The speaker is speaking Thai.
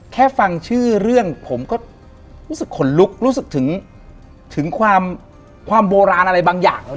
แค่ฟังชื่อเรื่องผมก็รู้สึกขนลุกรู้สึกถึงความโบราณอะไรบางอย่าง